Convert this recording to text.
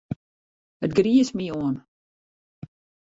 It griist my oan.